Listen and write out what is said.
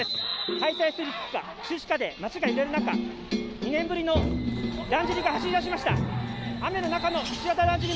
開催するか、中止かで町が揺れる中、２年ぶりのだんじりが走りだしました。